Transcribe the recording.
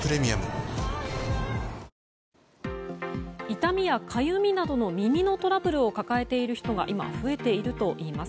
痛みやかゆみなどの耳のトラブルを抱えている人が今、増えているといいます。